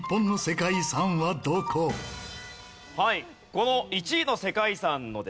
この１位の世界遺産のですね